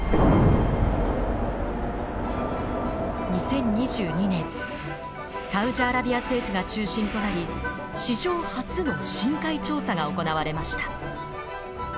２０２２年サウジアラビア政府が中心となり史上初の深海調査が行われました。